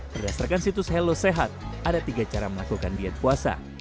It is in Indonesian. berdasarkan situs hello sehat ada tiga cara melakukan diet puasa